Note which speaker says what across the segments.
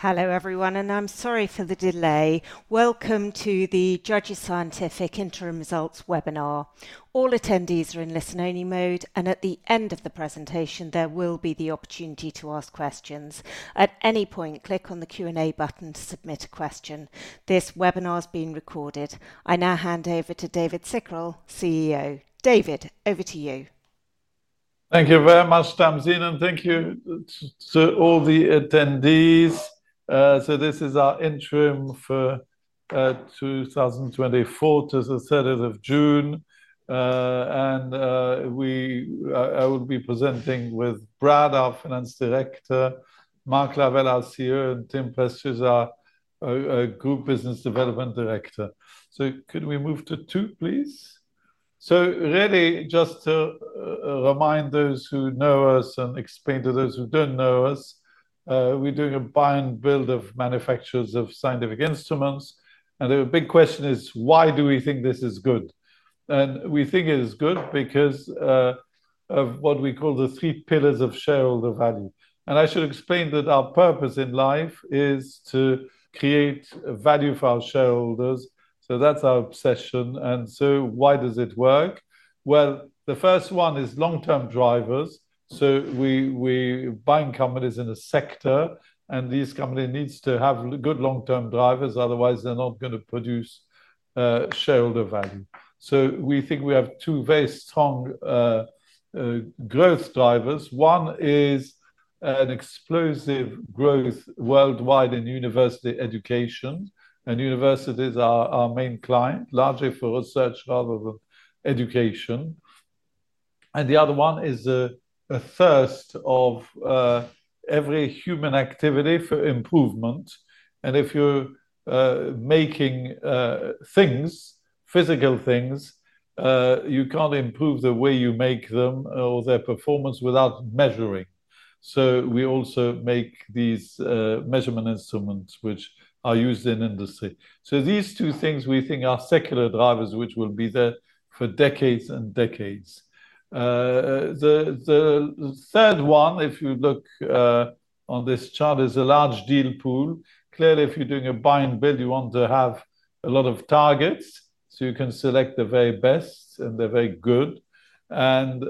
Speaker 1: Hello, everyone, and I'm sorry for the delay. Welcome to the Judges Scientific Interim Results Webinar. All attendees are in listen-only mode, and at the end of the presentation, there will be the opportunity to ask questions. At any point, click on the Q&A button to submit a question. This webinar is being recorded. I now hand over to David Cicurel, CEO. David, over to you.
Speaker 2: Thank you very much, Tamsin, and thank you to all the attendees. So this is our interim for 2024 to the 30th of June. And we will be presenting with Brad, our finance director, Mark Lavelle, our COO, and Tim Prestidge, our group business development director. So could we move to two, please? So really just to remind those who know us and explain to those who don't know us, we're doing a buy and build of manufacturers of scientific instruments, and the big question is: Why do we think this is good? And we think it is good because of what we call the three pillars of shareholder value. And I should explain that our purpose in life is to create value for our shareholders, so that's our obsession. And so why does it work? Well, the first one is long-term drivers. So we buying companies in a sector, and these company needs to have good long-term drivers, otherwise they're not gonna produce shareholder value. So we think we have two very strong growth drivers. One is an explosive growth worldwide in university education, and universities are our main client, largely for research rather than education. And the other one is a thirst of every human activity for improvement, and if you're making things, physical things, you can't improve the way you make them or their performance without measuring. So we also make these measurement instruments, which are used in industry. So these two things we think are secular drivers, which will be there for decades and decades. The third one, if you look on this chart, is a large deal pool. Clearly, if you're doing a buy and build, you want to have a lot of targets, so you can select the very best and the very good. And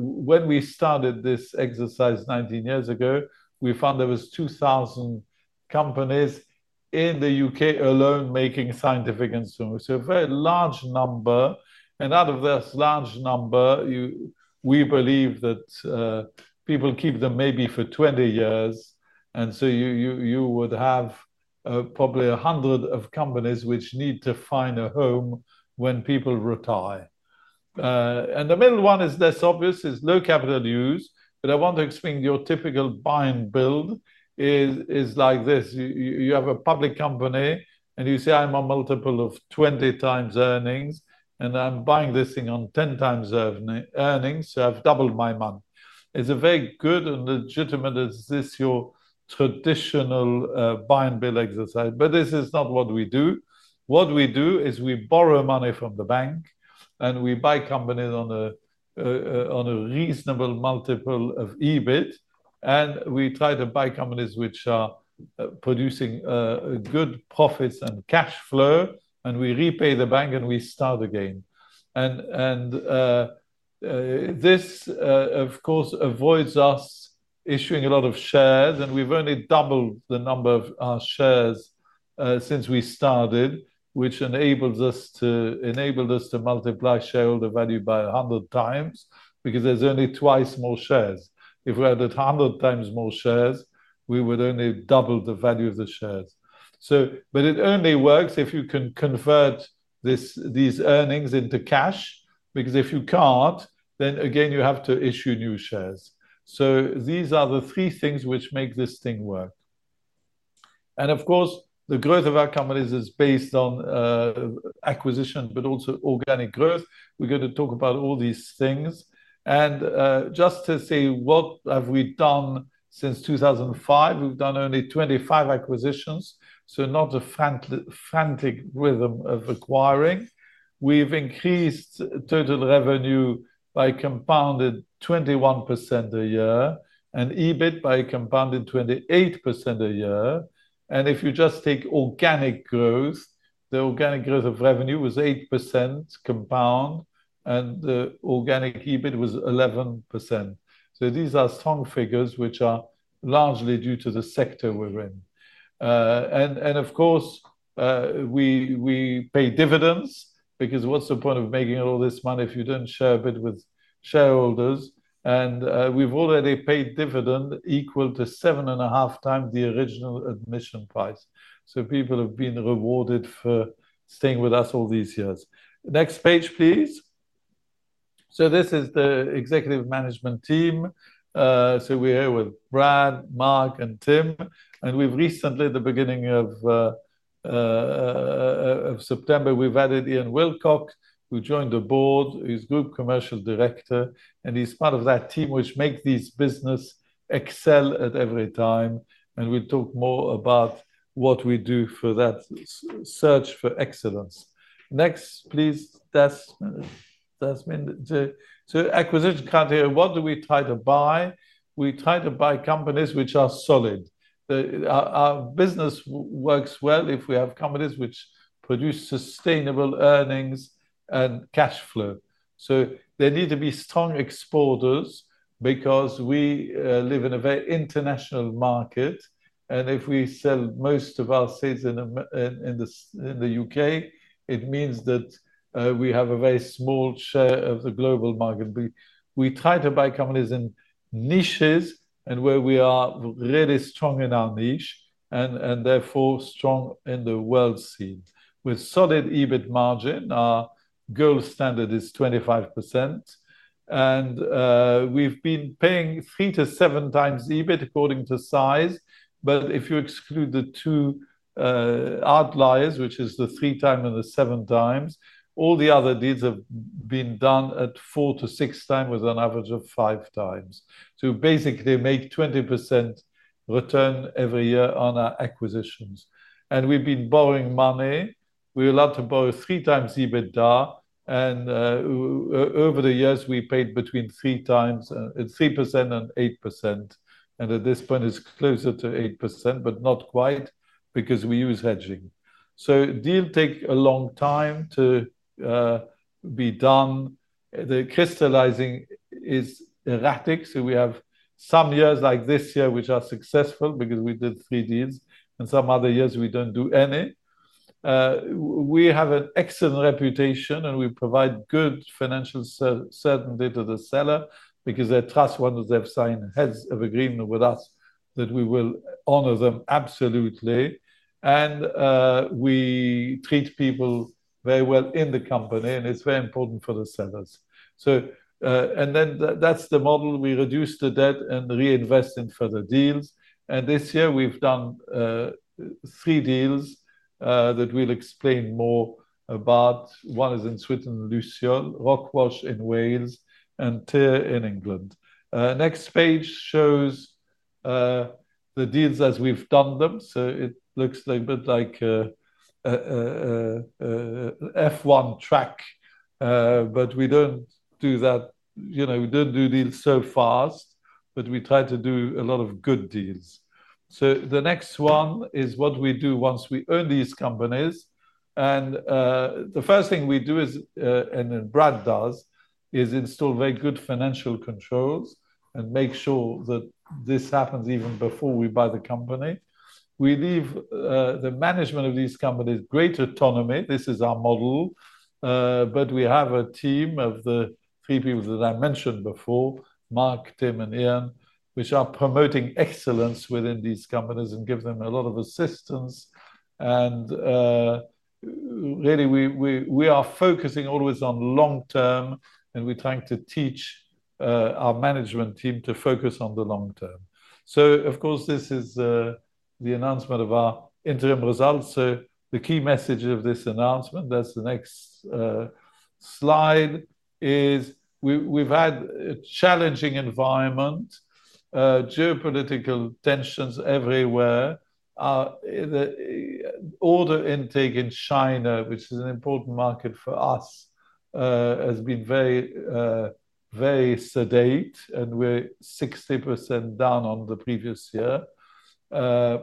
Speaker 2: when we started this exercise 19 years ago, we found there was two thousand companies in the U.K. alone making scientific instruments. So a very large number, and out of this large number, you, we believe that people keep them maybe for 20 years, and so you would have probably a hundred of companies which need to find a home when people retire. And the middle one is less obvious, is low capital use, but I want to explain your typical buy and build is like this. You have a public company, and you say, "I'm a multiple of 20 times earnings, and I'm buying this thing on ten times earnings, so I've doubled my money." It's a very good and legitimate, is this your traditional buy and build exercise, but this is not what we do. What we do is we borrow money from the bank, and we buy companies on a reasonable multiple of EBIT, and we try to buy companies which are producing good profits and cash flow, and we repay the bank, and we start again. And this of course avoids us issuing a lot of shares, and we've only doubled the number of our shares since we started, which enables us to enabled us to multiply shareholder value by a hundred times, because there's only twice more shares. If we had a hundred times more shares, we would only double the value of the shares. So, but it only works if you can convert this, these earnings into cash, because if you can't, then again, you have to issue new shares. So these are the three things which make this thing work. And of course, the growth of our companies is based on acquisition, but also organic growth. We're going to talk about all these things. And just to say, what have we done since 2005? We've done only 25 acquisitions, so not a frantic rhythm of acquiring. We've increased total revenue by compounded 21% a year and EBIT by compounded 28% a year. And if you just take organic growth, the organic growth of revenue was 8% compound, and the organic EBIT was 11%. So these are strong figures, which are largely due to the sector we're in. Of course, we pay dividends, because what's the point of making all this money if you don't share a bit with shareholders? We've already paid dividend equal to seven and a half times the original admission price. So people have been rewarded for staying with us all these years. Next page, please. So this is the executive management team. We're here with Brad, Mark, and Tim, and we've recently added Ian Wilcock at the beginning of September, who joined the board. He's Group Commercial Director, and he's part of that team, which make this business excel at every time. And we'll talk more about what we do for that search for excellence. Next, please, Desmond. Acquisition criteria, what do we try to buy? We try to buy companies which are solid. Our business works well if we have companies which produce sustainable earnings and cash flow. They need to be strong exporters because we live in a very international market, and if we sell most of our sales in the U.K., it means that we have a very small share of the global market. We try to buy companies in niches and where we are really strong in our niche, and therefore strong in the world scene. With solid EBIT margin, our gold standard is 25%, and we've been paying three to seven times EBIT according to size. But if you exclude the two outliers, which is the three time and the seven times, all the other deals have been done at four to six time, with an average of five times. So basically, make 20% return every year on our acquisitions. And we've been borrowing money. We're allowed to borrow three times EBITDA, and over the years, we paid between three times three percent and eight percent, and at this point it's closer to eight percent, but not quite, because we use hedging. So deal take a long time to be done. The crystallizing is erratic, so we have some years, like this year, which are successful because we did three deals, and some other years we don't do any. We have an excellent reputation, and we provide good financial certainty to the seller because they trust once they've signed heads of agreement with us, that we will honor them absolutely. And we treat people very well in the company, and it's very important for the sellers. So, and then that, that's the model. We reduce the debt and reinvest in further deals. And this year we've done three deals that we'll explain more about. One is in Switzerland, Lucerne, Rockwash in Wales, and Teer in England. Next page shows the deals as we've done them. So it looks a bit like F1 track, but we don't do that. You know, we don't do deals so fast, but we try to do a lot of good deals. So the next one is what we do once we own these companies. And, the first thing we do is, and then Brad does, is install very good financial controls and make sure that this happens even before we buy the company. We leave, the management of these companies great autonomy. This is our model. But we have a team of the three people that I mentioned before, Mark, Tim and Ian, which are promoting excellence within these companies and give them a lot of assistance. And, really, we are focusing always on long term, and we're trying to teach, our management team to focus on the long term. So of course, this is, the announcement of our interim results. So the key message of this announcement, that's the next slide, is we've had a challenging environment, geopolitical tensions everywhere. The order intake in China, which is an important market for us, has been very sedate, and we're 60% down on the previous year. We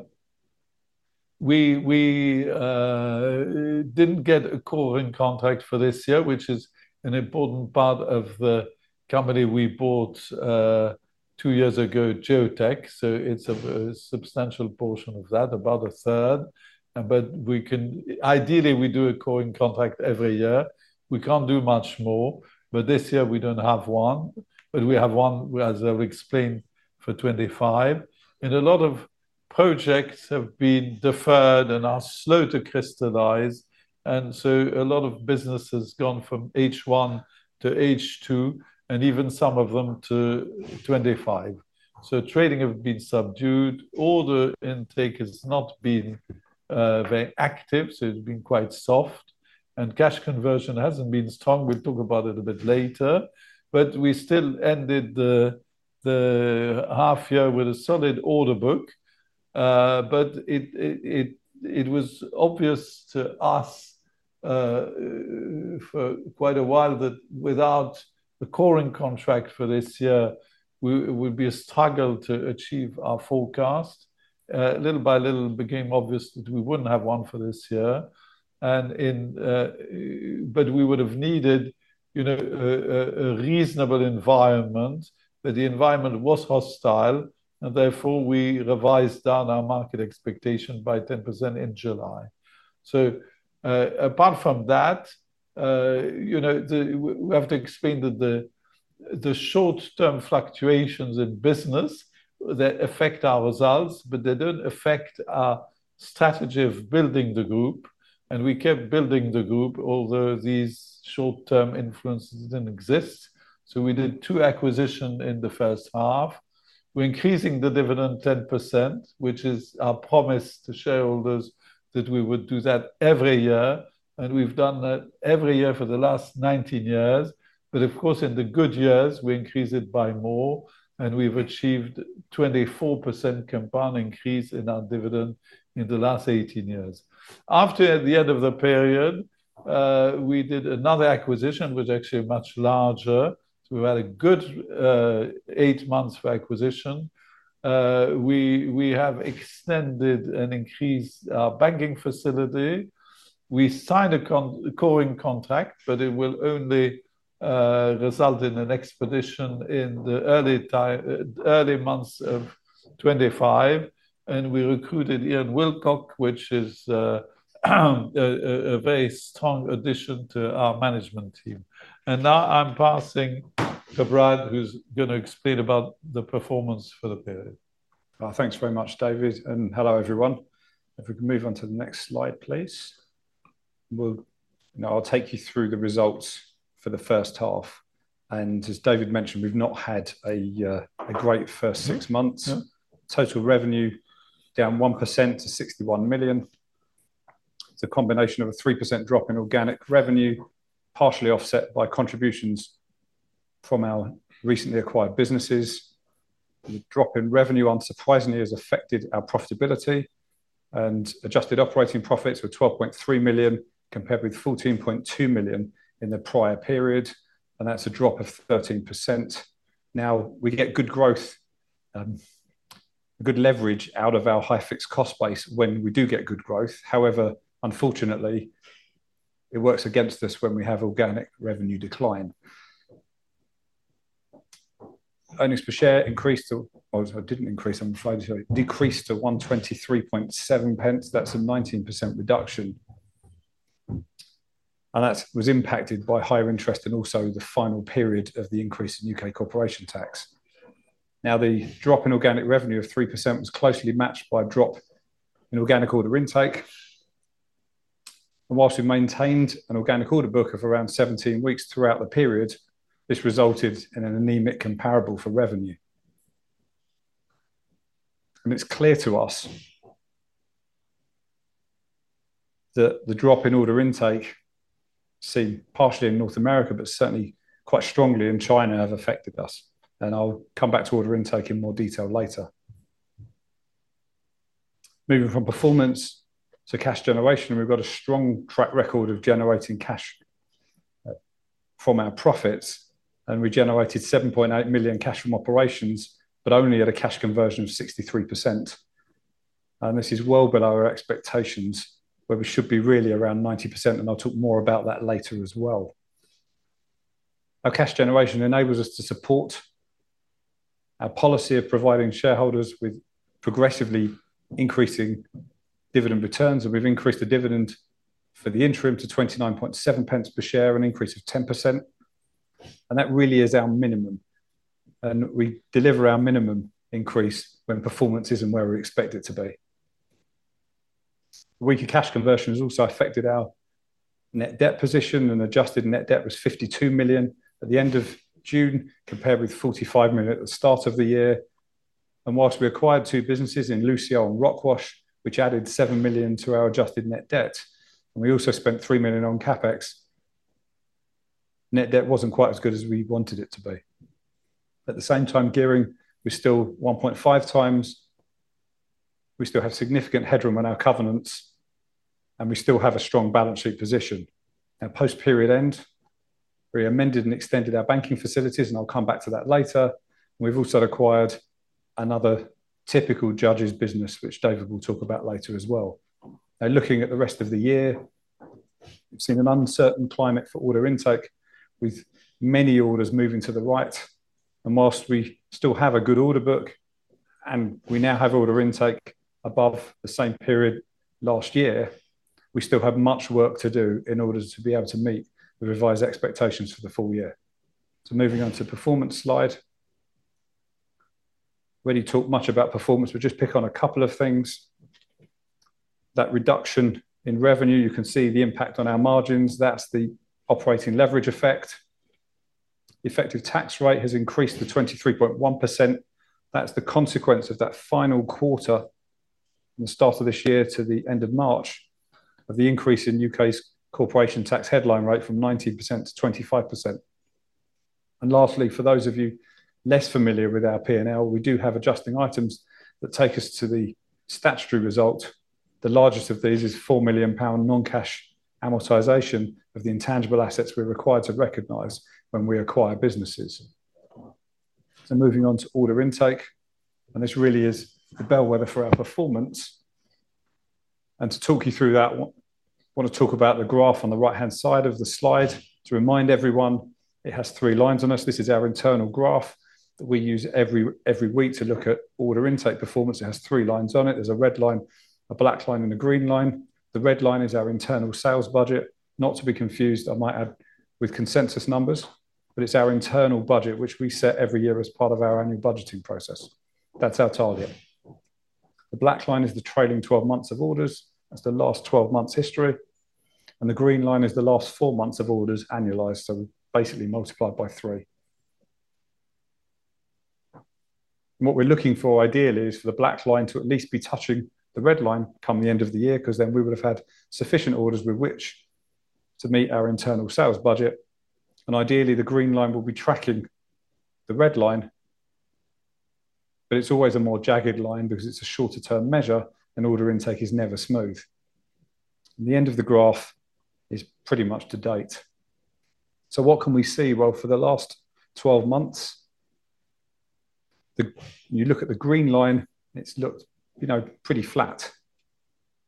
Speaker 2: didn't get a coring contract for this year, which is an important part of the company we bought two years ago, Geotek. So it's a substantial portion of that, about a third. But ideally, we do a coring contract every year. We can't do much more, but this year we don't have one. But we have one, as I've explained, for 2025. A lot of projects have been deferred and are slow to crystallize, and so a lot of business has gone from H1 to H2, and even some of them to 2025, so trading have been subdued. Order intake has not been very active, so it's been quite soft, and cash conversion hasn't been strong. We'll talk about it a bit later, but we still ended the half year with a solid order book. It was obvious to us for quite a while that without the coring contract for this year, it would be a struggle to achieve our forecast. Little by little, it became obvious that we wouldn't have one for this year, but we would have needed, you know, a reasonable environment. But the environment was hostile, and therefore we revised down our market expectation by 10% in July. So, apart from that, you know, we have to explain that the short-term fluctuations in business, they affect our results, but they don't affect our strategy of building the group. And we kept building the group, although these short-term influences didn't exist. So we did two acquisition in the first half. We're increasing the dividend 10%, which is our promise to shareholders that we would do that every year, and we've done that every year for the last 19 years. But of course, in the good years, we increase it by more, and we've achieved 24% compound increase in our dividend in the last 18 years. After the end of the period, we did another acquisition, which actually much larger. We had a good eight months for acquisition. We have extended and increased our banking facility. We signed a coring contract, but it will only result in an expedition in the early months of 2025, and we recruited Ian Wilcock, which is a very strong addition to our management team. And now I'm passing to Brad, who's gonna explain about the performance for the period.
Speaker 3: Thanks very much, David, and hello, everyone. If we can move on to the next slide, please. Now I'll take you through the results for the first half, and as David mentioned, we've not had a great first six months.
Speaker 2: Yeah.
Speaker 3: Total revenue down 1% to 61 million. It's a combination of a 3% drop in organic revenue, partially offset by contributions from our recently acquired businesses. The drop in revenue, unsurprisingly, has affected our profitability, and adjusted operating profits were 12.3 million, compared with 14.2 million in the prior period, and that's a drop of 13%. Now, we get good growth, good leverage out of our high fixed cost base when we do get good growth. However, unfortunately, it works against us when we have organic revenue decline. Earnings per share increased to... Oh, it didn't increase, I'm sorry, decreased to 123.7. That's a 19% reduction. And that was impacted by higher interest and also the final period of the increase in U.K. corporation tax. Now, the drop in organic revenue of 3% was closely matched by a drop in organic order intake. And whilst we maintained an organic order book of around 17 weeks throughout the period, this resulted in an anemic comparable for revenue. And it's clear to us that the drop in order intake, seen partially in North America, but certainly quite strongly in China, have affected us, and I'll come back to order intake in more detail later. Moving from performance to cash generation, we've got a strong track record of generating cash from our profits, and we generated 7.8 million cash from operations, but only at a cash conversion of 63%. And this is well below our expectations, where we should be really around 90%, and I'll talk more about that later as well. Our cash generation enables us to support our policy of providing shareholders with progressively increasing dividend returns, and we've increased the dividend for the interim to 29.7 per share, an increase of 10%, and that really is our minimum, and we deliver our minimum increase when performance isn't where we expect it to be. Weaker cash conversion has also affected our net debt position, and adjusted net debt was 52 million at the end of June, compared with 45 million at the start of the year, and while we acquired two businesses in Luciole and Rockwash, which added 7 million to our adjusted net debt, and we also spent 3 million on CapEx. Net debt wasn't quite as good as we wanted it to be. At the same time, gearing was still 1.5 times. We still have significant headroom on our covenants, and we still have a strong balance sheet position. Now, post-period end, we amended and extended our banking facilities, and I'll come back to that later. We've also acquired another typical Judges business, which David will talk about later as well. Now, looking at the rest of the year, we've seen an uncertain climate for order intake, with many orders moving to the right. And whilst we still have a good order book, and we now have order intake above the same period last year, we still have much work to do in order to be able to meet the revised expectations for the full year. So moving on to performance slide. Already talked much about performance, we'll just pick on a couple of things. That reduction in revenue, you can see the impact on our margins. That's the operating leverage effect. The effective tax rate has increased to 23.1%. That's the consequence of that final quarter, from the start of this year to the end of March, of the increase in U.K.'s corporation tax headline rate from 19% to 25%. And lastly, for those of you less familiar with our P&L, we do have adjusting items that take us to the statutory result. The largest of these is 4 million pound non-cash amortization of the intangible assets we're required to recognize when we acquire businesses. So moving on to order intake, and this really is the bellwether for our performance. And to talk you through that one, wanna talk about the graph on the right-hand side of the slide. To remind everyone, it has three lines on this. This is our internal graph that we use every week to look at order intake performance. It has three lines on it. There's a red line, a black line, and a green line. The red line is our internal sales budget. Not to be confused, I might add, with consensus numbers, but it's our internal budget, which we set every year as part of our annual budgeting process. That's our target. The black line is the trailing 12 months of orders. That's the last 12 months history, and the green line is the last four months of orders annualized, so basically multiplied by three. What we're looking for ideally is for the black line to at least be touching the red line come the end of the year, 'cause then we would have had sufficient orders with which to meet our internal sales budget, and ideally, the green line will be tracking the red line. But it's always a more jagged line because it's a shorter term measure, and order intake is never smooth. The end of the graph is pretty much to date. So what can we see? Well, for the last 12 months, then you look at the green line, it's looked, you know, pretty flat,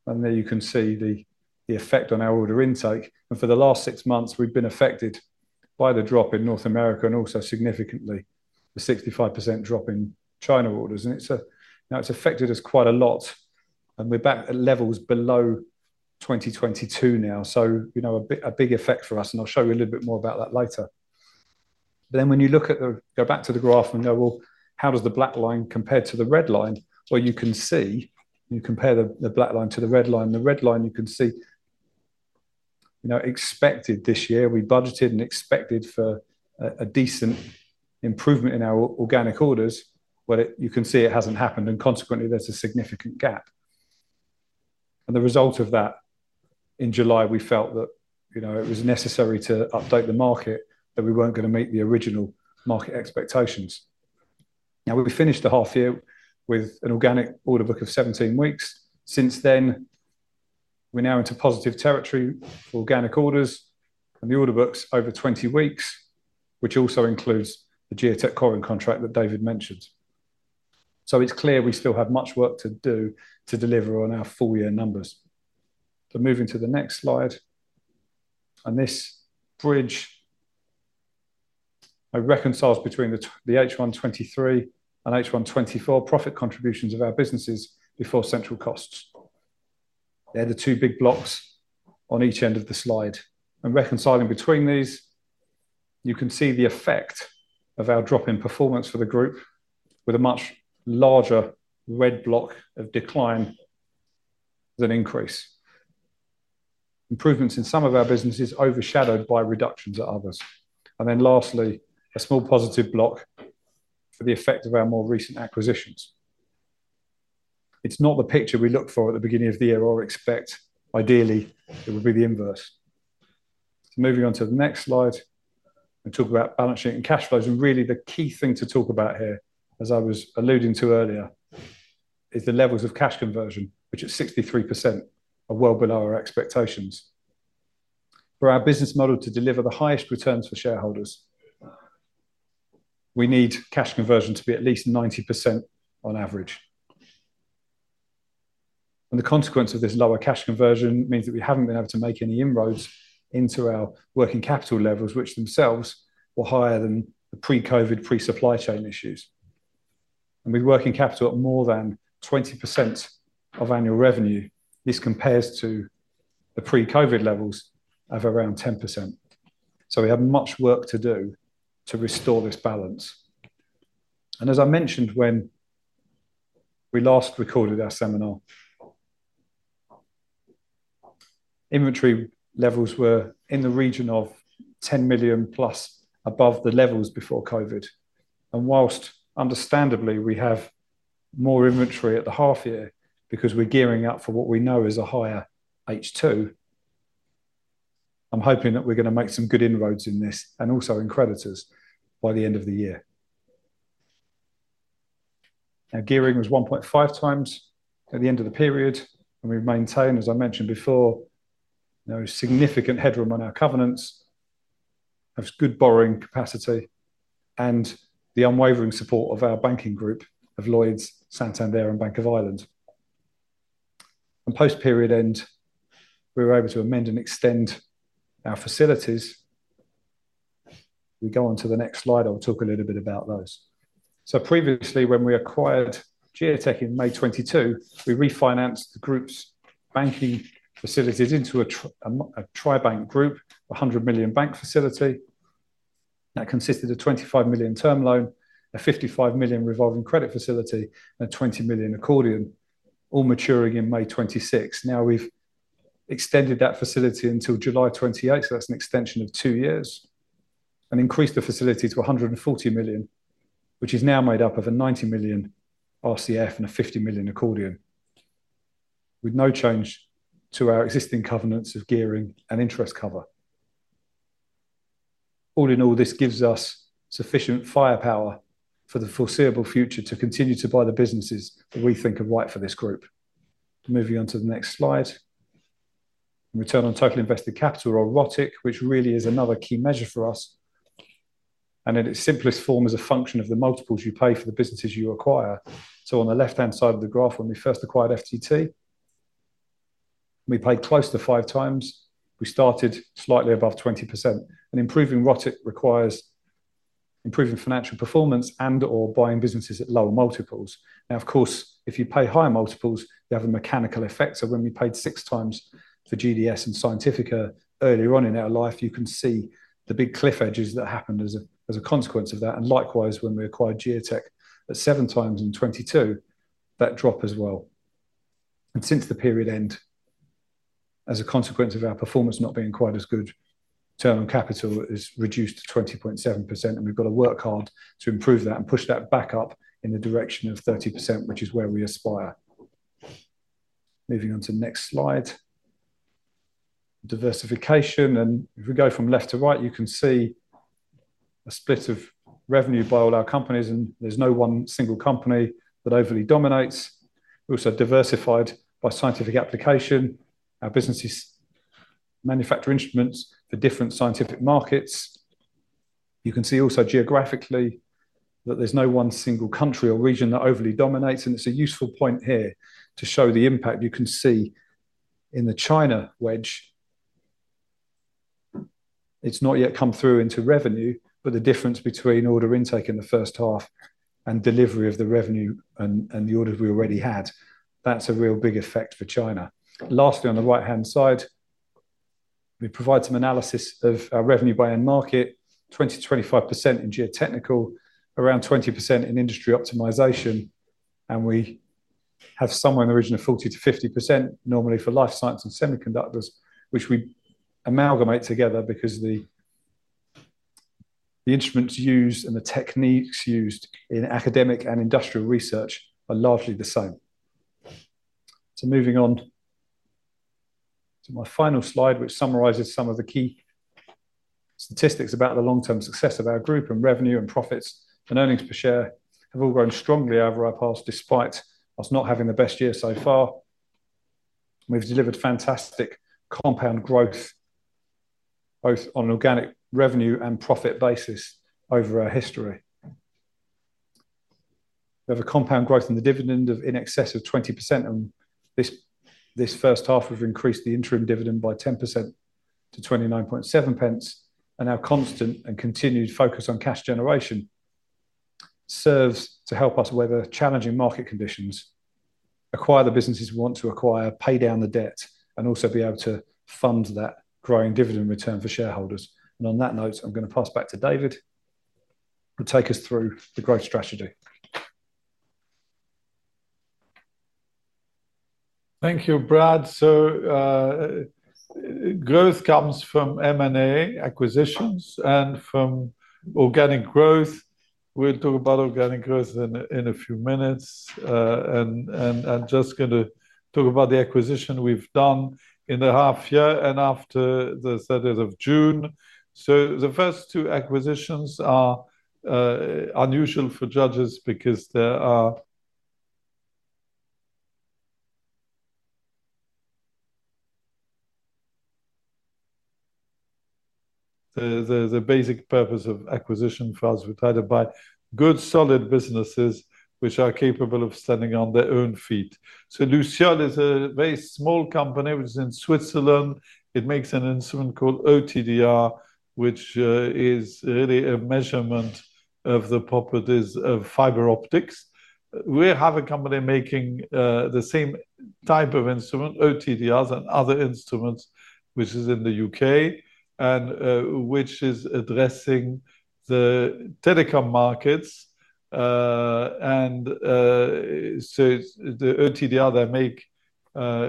Speaker 3: and there you can see the effect on our order intake. For the last six months, we've been affected by the drop in North America and also significantly, the 65% drop in China orders, and it's now affected us quite a lot, and we're back at levels below 2022 now. So, you know, a big effect for us, and I'll show you a little bit more about that later. Then when you look at the graph and go, well, how does the black line compare to the red line? Well, you can see you compare the black line to the red line. The red line you can see, you know, expected this year. We budgeted and expected for a decent improvement in our organic orders. Well, you can see it hasn't happened, and consequently, there's a significant gap. The result of that, in July, we felt that, you know, it was necessary to update the market, that we weren't gonna meet the original market expectations. Now, we finished the half year with an organic order book of 17 weeks. Since then, we're now into positive territory, organic orders, and the order book's over 20 weeks, which also includes the Geotek Coring contract that David mentioned. It's clear we still have much work to do to deliver on our full year numbers. Moving to the next slide, and this bridge, I reconciled between the H1 2023 and H1 2024 profit contributions of our businesses before central costs. They're the two big blocks on each end of the slide. Reconciling between these, you can see the effect of our drop in performance for the group, with a much larger red block of decline than increase. Improvements in some of our businesses overshadowed by reductions at others. And then lastly, a small positive block for the effect of our more recent acquisitions. It's not the picture we looked for at the beginning of the year or expect. Ideally, it would be the inverse. Moving on to the next slide, and talk about balance sheet and cash flows, and really, the key thing to talk about here, as I was alluding to earlier, is the levels of cash conversion, which is 63%, are well below our expectations. For our business model to deliver the highest returns for shareholders, we need cash conversion to be at least 90% on average. The consequence of this lower cash conversion means that we haven't been able to make any inroads into our working capital levels, which themselves were higher than the pre-COVID, pre-supply chain issues. With working capital at more than 20% of annual revenue, this compares to the pre-COVID levels of around 10%. We have much work to do to restore this balance. As I mentioned when we last recorded our seminar, inventory levels were in the region of 10 million+ above the levels before COVID. Whilst understandably, we have more inventory at the half year, because we're gearing up for what we know is a higher H2, I'm hoping that we're gonna make some good inroads in this and also in creditors by the end of the year. Now, gearing was 1.5 times at the end of the period, and we've maintained, as I mentioned before, there was significant headroom on our covenants, has good borrowing capacity, and the unwavering support of our banking group of Lloyds, Santander, and Bank of Ireland. And post-period end, we were able to amend and extend our facilities. We go on to the next slide, I'll talk a little bit about those. So previously, when we acquired Geotek in May 2022, we refinanced the group's banking facilities into a tri-bank group, a 100 million bank facility. That consisted of a 25 million term loan, a 55 million revolving credit facility, and a 20 million accordion, all maturing in May 2026. Now, we've extended that facility until July 2028, so that's an extension of two years, and increased the facility to 140 million, which is now made up of a 90 million RCF and a 50 million accordion, with no change to our existing covenants of gearing and interest cover. All in all, this gives us sufficient firepower for the foreseeable future to continue to buy the businesses that we think are right for this group. Moving on to the next slide. Return on total invested capital, or ROTIC, which really is another key measure for us, and in its simplest form, is a function of the multiples you pay for the businesses you acquire. So on the left-hand side of the graph, when we first acquired FTT, we paid close to five times. We started slightly above 20%, and improving ROTIC requires improving financial performance and/or buying businesses at lower multiples. Now, of course, if you pay higher multiples, you have a mechanical effect. So when we paid six times for GDS and Scientifica earlier on in our life, you can see the big cliff edges that happened as a consequence of that, and likewise, when we acquired Geotek at seven times in 2022, that drop as well. And since the period end, as a consequence of our performance not being quite as good, return on capital is reduced to 20.7%, and we've got to work hard to improve that and push that back up in the direction of 30%, which is where we aspire. Moving on to the next slide, diversification, and if we go from left to right, you can see a split of revenue by all our companies, and there's no one single company that overly dominates. We're also diversified by scientific application. Our businesses manufacture instruments for different scientific markets. You can see also geographically, that there's no one single country or region that overly dominates, and it's a useful point here to show the impact. You can see in the China wedge, it's not yet come through into revenue, but the difference between order intake in the first half and delivery of the revenue and the orders we already had, that's a real big effect for China. Lastly, on the right-hand side, we provide some analysis of our revenue by end market, 20%-25% in geotechnical, around 20% in industry optimization, and we have somewhere in the region of 40%-50% normally for life science and semiconductors, which we amalgamate together because the instruments used and the techniques used in academic and industrial research are largely the same. So moving on to my final slide, which summarizes some of the key statistics about the long-term success of our group, and revenue, and profits, and earnings per share, have all grown strongly over our past, despite us not having the best year so far. We've delivered fantastic compound growth, both on organic revenue and profit basis over our history. We have a compound growth in the dividend of in excess of 20%, and this first half, we've increased the interim dividend by 10% to 0.297. Our constant and continued focus on cash generation serves to help us weather challenging market conditions, acquire the businesses we want to acquire, pay down the debt, and also be able to fund that growing dividend return for shareholders. And on that note, I'm gonna pass back to David, who'll take us through the growth strategy.
Speaker 2: Thank you, Brad. So, growth comes from M&A acquisitions and from organic growth. We'll talk about organic growth in a few minutes. I'm just gonna talk about the acquisition we've done in the half year and after the thirtieth of June. So the first two acquisitions are unusual for Judges because there are. The basic purpose of acquisition for us, we try to buy good, solid businesses which are capable of standing on their own feet. So Luciole is a very small company, which is in Switzerland. It makes an instrument called OTDR, which is really a measurement of the properties of fiber optics. We have a company making the same type of instrument, OTDRs and other instruments, which is in the U.K. and which is addressing the telecom markets. And, so the OTDR they make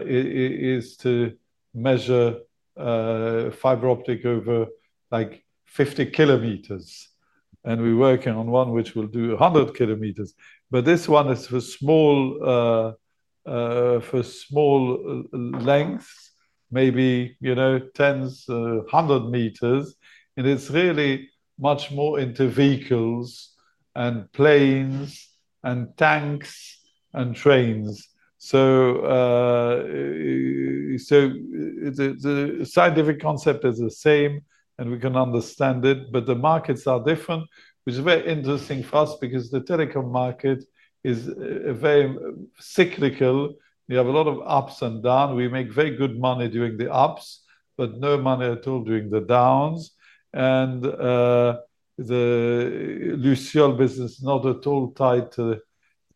Speaker 2: is to measure fiber optic over, like, 50 km, and we're working on one which will do 100 km. But this one is for small lengths, maybe, you know, tens, 100 m, and it's really much more into vehicles and planes and tanks and trains. So, the scientific concept is the same, and we can understand it, but the markets are different, which is very interesting for us because the telecom market is very cyclical. We have a lot of ups and down. We make very good money during the ups, but no money at all during the downs. And, the Luciole business is not at all tied to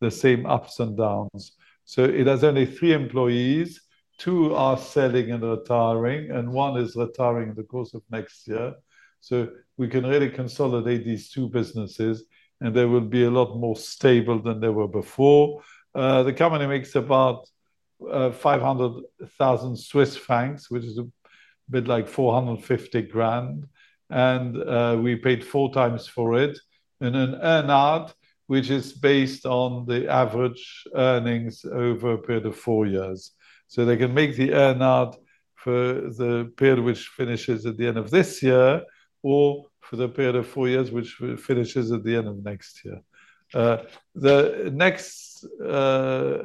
Speaker 2: the same ups and downs. So it has only three employees. Two are selling and retiring, and one is retiring in the course of next year. So we can really consolidate these two businesses, and they will be a lot more stable than they were before. The company makes about 500,000 Swiss francs, which is a bit like 450,000, and we paid four times for it in an earn-out, which is based on the average earnings over a period of four years. So they can make the earn-out for the period which finishes at the end of this year or for the period of four years, which finishes at the end of next year. The next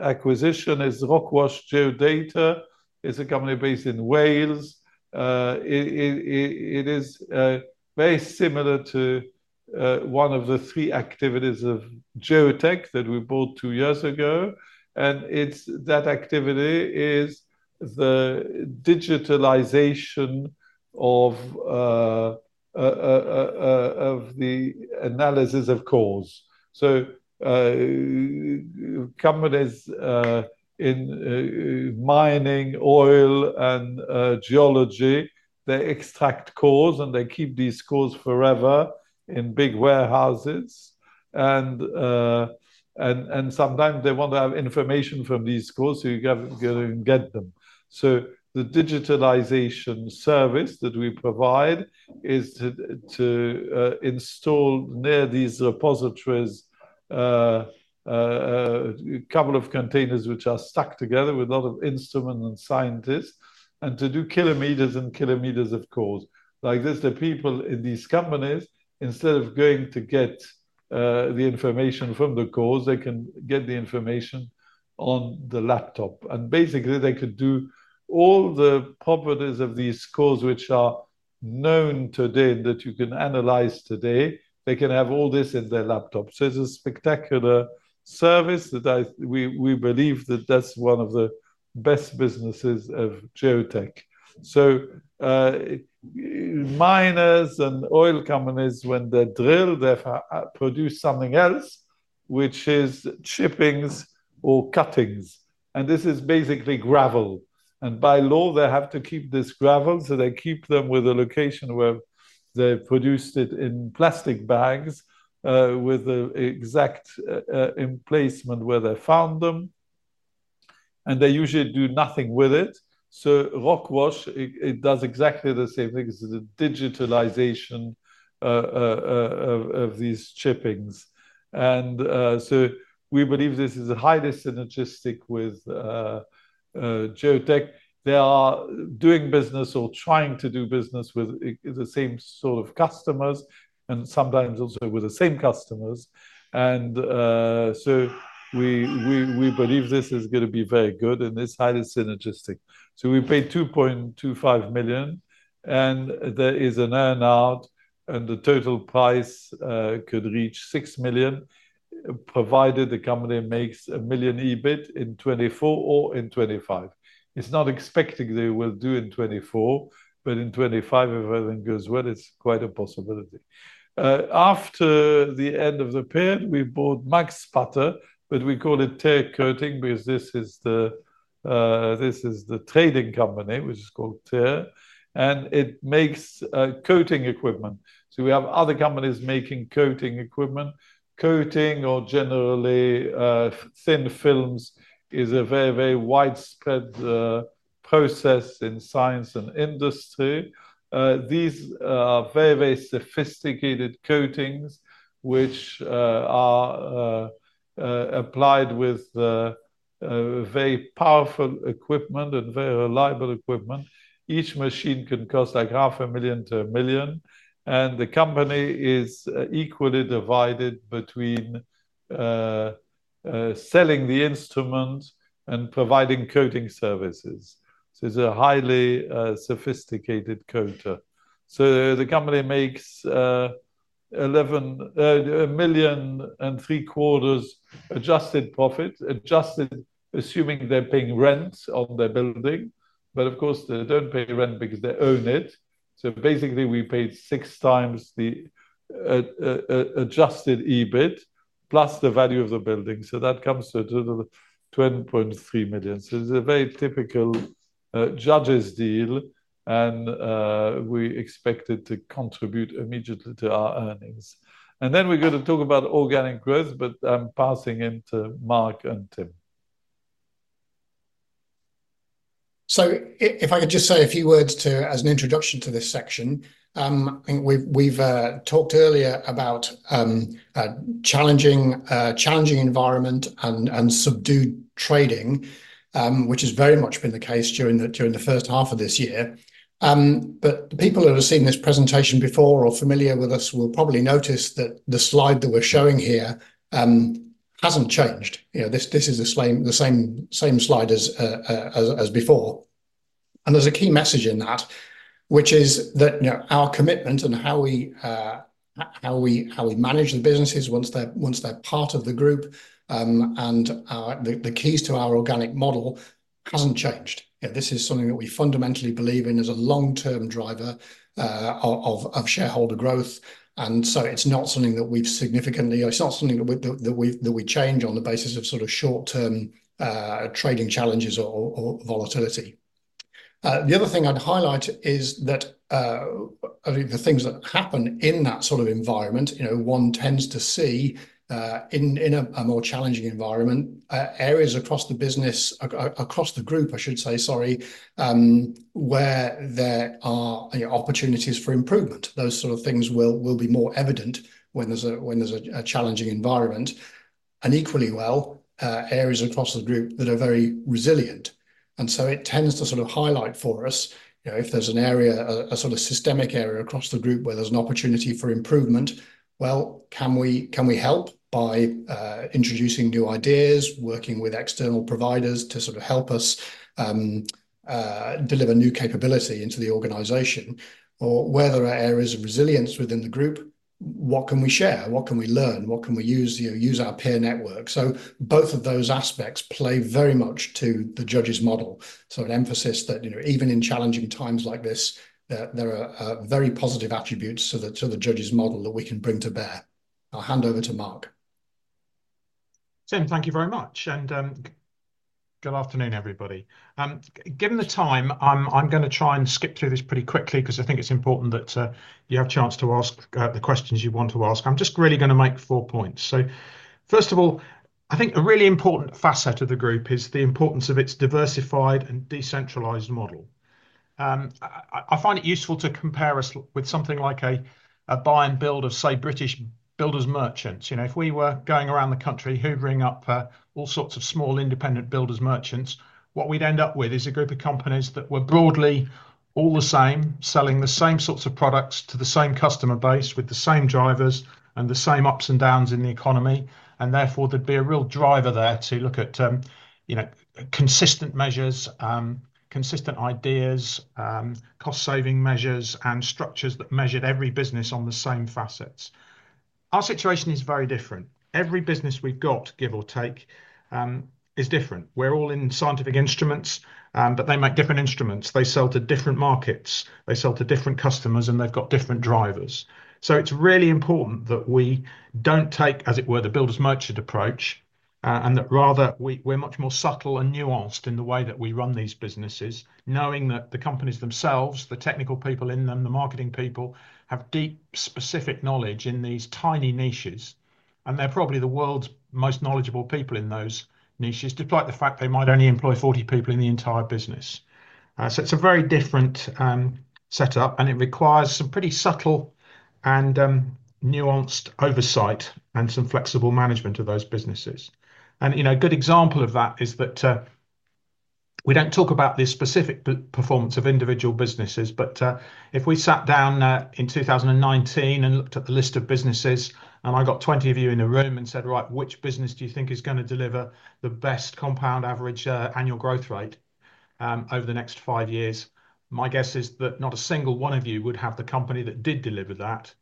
Speaker 2: acquisition is Rockwash Geodata. It's a company based in Wales. It is very similar to one of the three activities of Geotek that we bought two years ago, and it's that activity is the digitalization of the analysis, of course. So, companies in mining, oil, and geology, they extract cores, and they keep these cores forever in big warehouses... and sometimes they want to have information from these cores, so you go and get them. So the digitalization service that we provide is to install near these repositories a couple of containers which are stuck together with a lot of instruments and scientists, and to do kilometers and kilometers of cores. Like this, the people in these companies, instead of going to get the information from the cores, they can get the information on the laptop. Basically, they could do all the properties of these cores, which are known today, that you can analyze today, they can have all this in their laptop. It's a spectacular service that we believe that's one of the best businesses of Geotek. Miners and oil companies, when they drill, they produce something else, which is chippings or cuttings, and this is basically gravel. By law, they have to keep this gravel, so they keep them with a location where they produced it in plastic bags, with the exact emplacement where they found them, and they usually do nothing with it. Rockwash does exactly the same thing as the digitalization of these chippings. We believe this is highly synergistic with Geotek. They are doing business or trying to do business with the same sort of customers and sometimes also with the same customers. And so we believe this is gonna be very good, and it's highly synergistic. So we paid 2.25 million, and there is an earn-out, and the total price could reach 6 million, provided the company makes 1 million EBIT in 2024 or in 2025. It's not expecting they will do in 2024, but in 2025, if everything goes well, it's quite a possibility. After the end of the period, we bought Max Sputter, but we call it Teer Coatings, because this is the trading company, which is called Teer, and it makes coating equipment. So we have other companies making coating equipment. Coating, or generally, thin films, is a very, very widespread process in science and industry. These are very, very sophisticated coatings, which are applied with very powerful equipment and very reliable equipment. Each machine can cost like 0.5 million-1 million, and the company is equally divided between selling the instrument and providing coating services. So it's a highly sophisticated coater. So the company makes 1.75 million adjusted profit, adjusted, assuming they're paying rent on their building. But of course, they don't pay rent because they own it. So basically, we paid six times the adjusted EBIT, plus the value of the building. So that comes to total of 12.3 million. So it's a very typical Judges' deal, and we expect it to contribute immediately to our earnings. And then we're gonna talk about organic growth, but I'm passing it to Mark and Tim.
Speaker 4: So if I could just say a few words as an introduction to this section. I think we've talked earlier about a challenging environment and subdued trading, which has very much been the case during the first half of this year. But the people that have seen this presentation before or familiar with us will probably notice that the slide that we're showing here hasn't changed. You know, this is the same slide as before. And there's a key message in that, which is that, you know, our commitment and how we manage the businesses once they're part of the group, and the keys to our organic model hasn't changed. Yeah, this is something that we fundamentally believe in as a long-term driver of shareholder growth, and so it's not something that we've significantly. It's not something that we change on the basis of sort of short-term trading challenges or volatility. The other thing I'd highlight is that, I mean, the things that happen in that sort of environment, you know, one tends to see in a more challenging environment areas across the business, across the group, I should say, sorry, where there are opportunities for improvement. Those sort of things will be more evident when there's a challenging environment, and equally well areas across the group that are very resilient. And so it tends to sort of highlight for us, you know, if there's an area, a sort of systemic area across the group where there's an opportunity for improvement, well, can we help by introducing new ideas, working with external providers to sort of help us deliver new capability into the organization? Or where there are areas of resilience within the group, what can we share? What can we learn? What can we use, you know, use our peer network? So both of those aspects play very much to the Judges model. So an emphasis that, you know, even in challenging times like this, there are very positive attributes to the Judges model that we can bring to bear. I'll hand over to Mark.
Speaker 5: Tim, thank you very much, and good afternoon, everybody. Given the time, I'm gonna try and skip through this pretty quickly, 'cause I think it's important that you have a chance to ask the questions you want to ask. I'm just really gonna make four points. So first of all, I think a really important facet of the group is the importance of its diversified and decentralized model. I find it useful to compare us with something like a buy and build of, say, British builders merchants. You know, if we were going around the country, hoovering up all sorts of small independent builders merchants, what we'd end up with is a group of companies that were broadly all the same, selling the same sorts of products to the same customer base, with the same drivers, and the same ups and downs in the economy. And therefore, there'd be a real driver there to look at you know, consistent measures, consistent ideas, cost-saving measures, and structures that measured every business on the same facets. Our situation is very different. Every business we've got, give or take, is different. We're all in scientific instruments, but they make different instruments. They sell to different markets, they sell to different customers, and they've got different drivers. So it's really important that we don't take, as it were, the builders merchant approach, and that rather we're much more subtle and nuanced in the way that we run these businesses, knowing that the companies themselves, the technical people in them, the marketing people, have deep, specific knowledge in these tiny niches. And they're probably the world's most knowledgeable people in those niches, despite the fact they might only employ 40 people in the entire business. So it's a very different setup, and it requires some pretty subtle and nuanced oversight and some flexible management of those businesses. You know, a good example of that is that we don't talk about the specific performance of individual businesses, but if we sat down in 2019 and looked at the list of businesses, and I got 20 of you in a room and said, "Right, which business do you think is gonna deliver the best compound average annual growth rate over the next five years?" My guess is that not a single one of you would have the company that did deliver that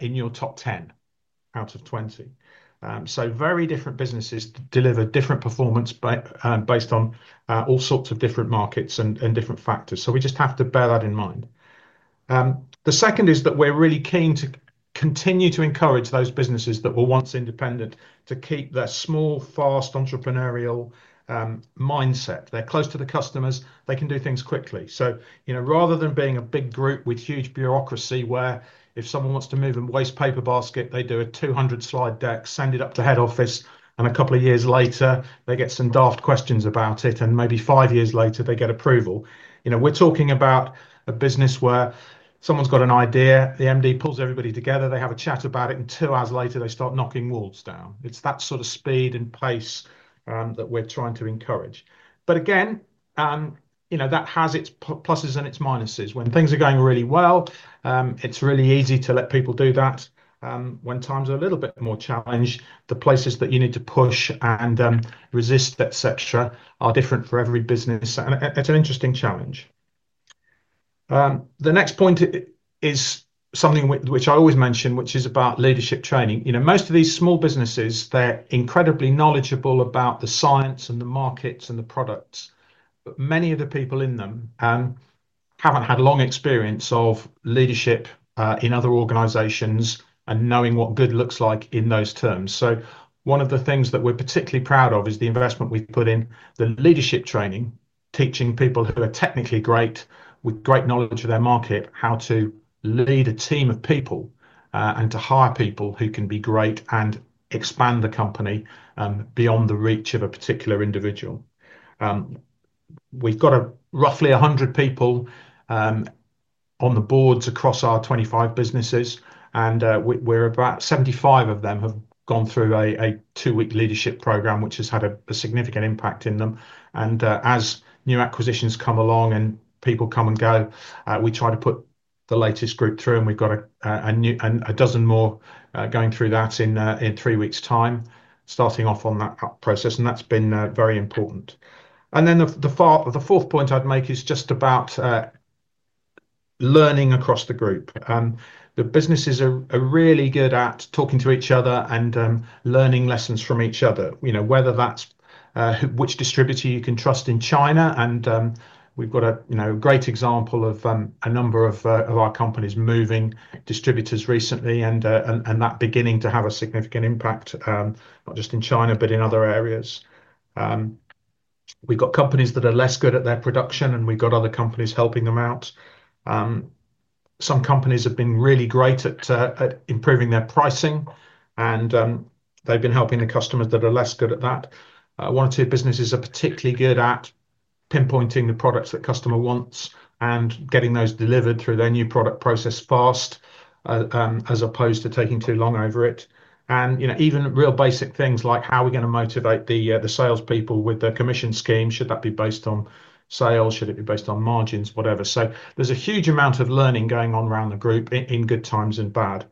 Speaker 5: in your top 10 out of 20. So very different businesses deliver different performance based on all sorts of different markets and different factors, so we just have to bear that in mind. The second is that we're really keen to continue to encourage those businesses that were once independent to keep their small, fast, entrepreneurial mindset. They're close to the customers, they can do things quickly. So, you know, rather than being a big group with huge bureaucracy, where if someone wants to move a waste paper basket, they do a 200-slide deck, send it up to head office, and a couple of years later, they get some daft questions about it, and maybe five years later, they get approval. You know, we're talking about a business where someone's got an idea, the MD pulls everybody together, they have a chat about it, and two hours later, they start knocking walls down. It's that sort of speed and pace that we're trying to encourage. But again, you know, that has its pluses and its minuses. When things are going really well, it's really easy to let people do that. When times are a little bit more challenged, the places that you need to push and resist, et cetera, are different for every business, and it's an interesting challenge. The next point is something which I always mention, which is about leadership training. You know, most of these small businesses, they're incredibly knowledgeable about the science and the markets and the products, but many of the people in them haven't had long experience of leadership in other organizations and knowing what good looks like in those terms. So one of the things that we're particularly proud of is the investment we've put in the leadership training, teaching people who are technically great, with great knowledge of their market, how to lead a team of people, and to hire people who can be great and expand the company, beyond the reach of a particular individual. We've got roughly 100 people on the boards across our 25 businesses, and about 75 of them have gone through a two-week leadership program, which has had a significant impact in them. As new acquisitions come along and people come and go, we try to put the latest group through, and we've got a new... A dozen more, going through that in three weeks' time, starting off on that process, and that's been very important. Then the fourth point I'd make is just about learning across the group. The businesses are really good at talking to each other and learning lessons from each other. You know, whether that's which distributor you can trust in China, and we've got a great example of a number of our companies moving distributors recently, and that beginning to have a significant impact, not just in China, but in other areas. We've got companies that are less good at their production, and we've got other companies helping them out. Some companies have been really great at improving their pricing, and they've been helping the customers that are less good at that. One or two businesses are particularly good at pinpointing the products that customer wants and getting those delivered through their new product process fast, as opposed to taking too long over it, and you know, even real basic things like, how are we gonna motivate the salespeople with the commission scheme? Should that be based on sales? Should it be based on margins? Whatever, so there's a huge amount of learning going on around the group in good times and bad,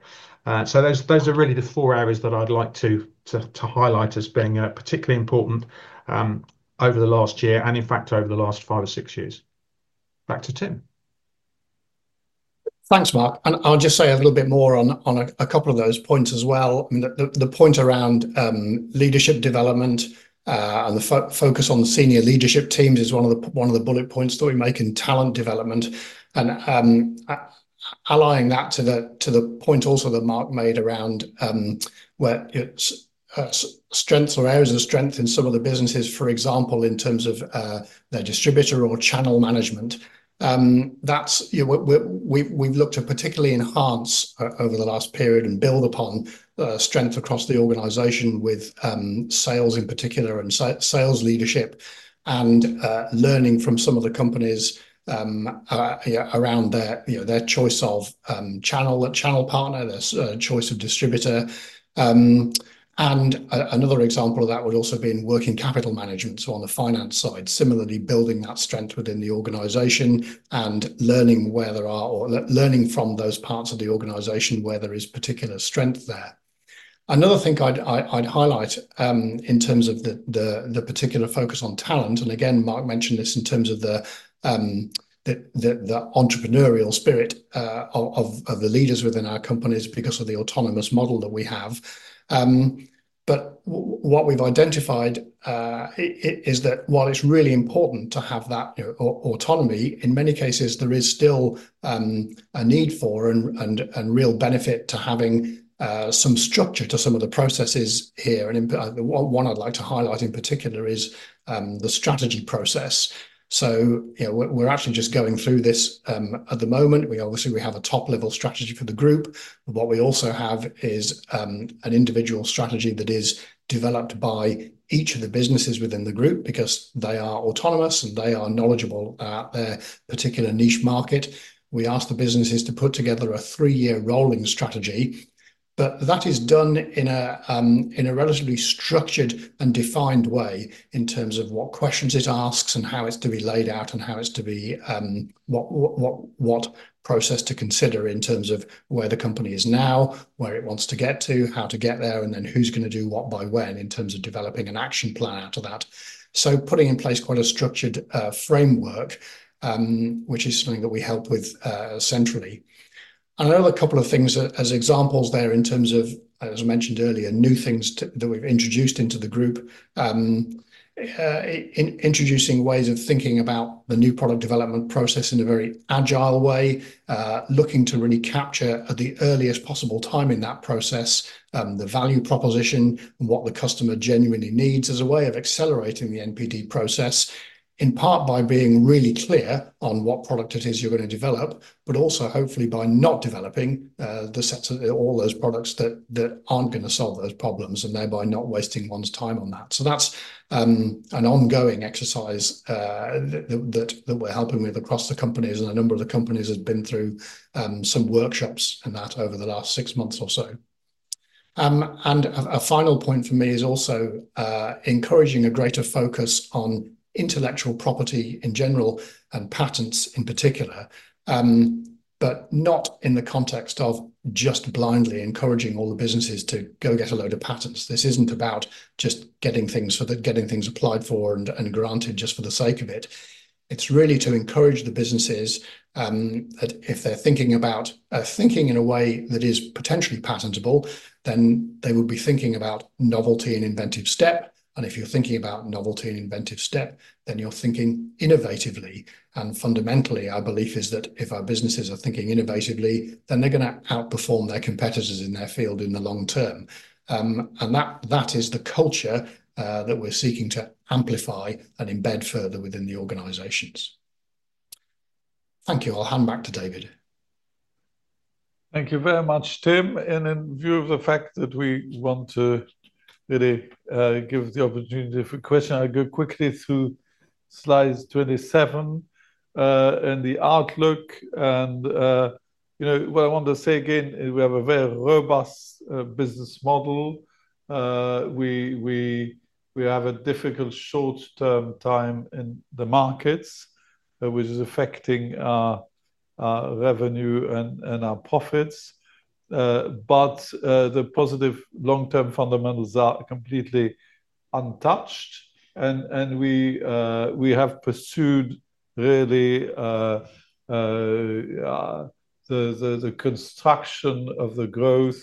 Speaker 5: so those are really the four areas that I'd like to highlight as being particularly important over the last year, and in fact, over the last five or six years. Back to Tim.
Speaker 4: Thanks, Mark, and I'll just say a little bit more on a couple of those points as well. The point around leadership development and the focus on the senior leadership teams is one of the bullet points that we make in talent development, allying that to the point also that Mark made around where it's strengths or areas of strength in some of the businesses, for example, in terms of their distributor or channel management. That's, you know, we've looked to particularly enhance over the last period and build upon strength across the organization with sales in particular, and sales leadershiP&Learning from some of the companies around their, you know, their choice of channel, a channel partner, their choice of distributor. And another example of that would also be in working capital management, so on the finance side, similarly, building that strength within the organization and learning from those parts of the organization where there is particular strength there. Another thing I'd highlight in terms of the particular focus on talent, and again, Mark mentioned this in terms of the entrepreneurial spirit of the leaders within our companies because of the autonomous model that we have. But what we've identified is that while it's really important to have that, you know, autonomy, in many cases, there is still a need for and real benefit to having some structure to some of the processes here. And one I'd like to highlight in particular is the strategy process. So, you know, we're actually just going through this at the moment. We obviously have a top-level strategy for the group, but what we also have is an individual strategy that is developed by each of the businesses within the group because they are autonomous, and they are knowledgeable at their particular niche market. We ask the businesses to put together a three-year rolling strategy, but that is done in a relatively structured and defined way, in terms of what questions it asks, and how it's to be laid out, and how it's to be what process to consider in terms of where the company is now, where it wants to get to, how to get there, and then who's gonna do what by when, in terms of developing an action plan out of that. Putting in place quite a structured framework, which is something that we help with, centrally. Another couple of things as examples there in terms of, as I mentioned earlier, new things that we've introduced into the group, in introducing ways of thinking about the new product development process in a very agile way, looking to really capture at the earliest possible time in that process, the value proposition and what the customer genuinely needs as a way of accelerating the NPD process, in part, by being really clear on what product it is you're going to develop, but also hopefully by not developing the sets of all those products that aren't going to solve those problems, and thereby not wasting one's time on that. So that's an ongoing exercise that we're helping with across the companies, and a number of the companies have been through some workshops and that over the last six months or so. And a final point for me is also encouraging a greater focus on intellectual property in general and patents in particular. But not in the context of just blindly encouraging all the businesses to go get a load of patents. This isn't about just getting things applied for and granted, just for the sake of it. It's really to encourage the businesses that if they're thinking about thinking in a way that is potentially patentable, then they would be thinking about novelty and inventive step. And if you're thinking about novelty and inventive step, then you're thinking innovatively. And fundamentally, our belief is that if our businesses are thinking innovatively, then they're gonna outperform their competitors in their field in the long term. And that is the culture that we're seeking to amplify and embed further within the organizations. Thank you. I'll hand back to David.
Speaker 2: Thank you very much, Tim. And in view of the fact that we want to really give the opportunity for question, I'll go quickly through slide 27 and the outlook. And you know, what I want to say again is we have a very robust business model. We have a difficult short-term time in the markets which is affecting our revenue and our profits. But the positive long-term fundamentals are completely untouched, and we have pursued really the construction of the growth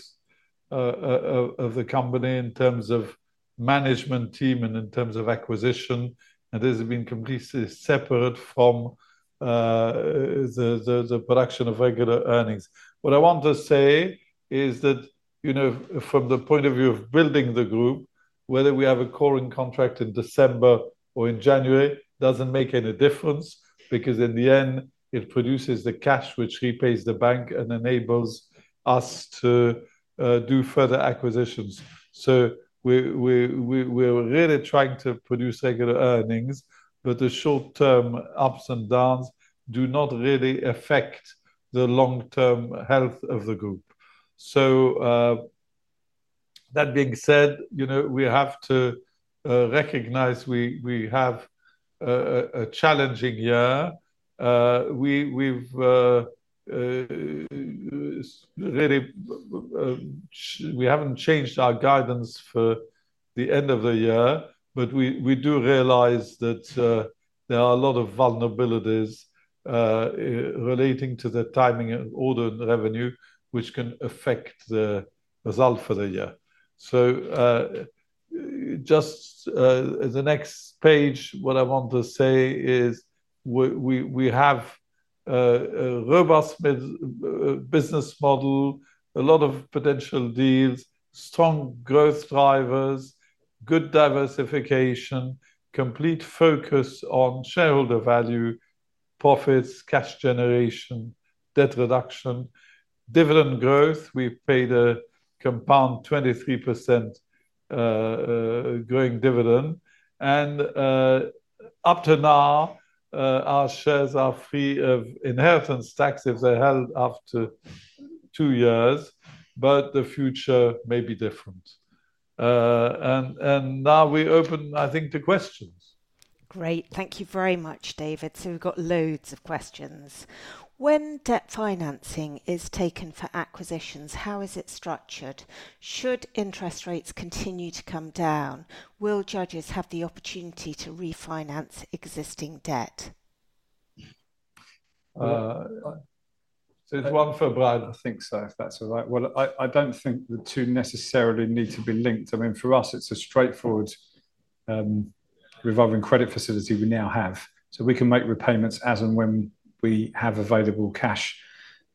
Speaker 2: of the company in terms of management team and in terms of acquisition, and this has been completely separate from the production of regular earnings. What I want to say is that, you know, from the point of view of building the group, whether we have a coring contract in December or in January, doesn't make any difference, because in the end, it produces the cash, which repays the bank and enables us to do further acquisitions. So we're really trying to produce regular earnings, but the short-term ups and downs do not really affect the long-term health of the group. So that being said, you know, we have to recognize we have a challenging year. We haven't changed our guidance for the end of the year, but we do realize that there are a lot of vulnerabilities relating to the timing and order and revenue, which can affect the result for the year. So, just the next page, what I want to say is we have a robust business model, a lot of potential deals, strong growth drivers, good diversification, complete focus on shareholder value, profits, cash generation, debt reduction, dividend growth. We've paid a compound 23% growing dividend. And, up to now, our shares are free of inheritance tax if they're held after two years, but the future may be different. And now we open, I think, to questions.
Speaker 1: Great. Thank you very much, David. So we've got loads of questions. When debt financing is taken for acquisitions, how is it structured? Should interest rates continue to come down? Will Judges have the opportunity to refinance existing debt?
Speaker 2: So, there's one for Brad, I think so, if that's all right. Well, I don't think the two necessarily need to be linked. I mean, for us, it's a straightforward revolving credit facility we now have, so we can make repayments as and when we have available cash